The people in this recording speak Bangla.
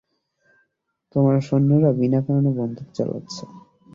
তোমার সৈন্যরা বিনা কারনে বন্দুক চালাচ্ছে।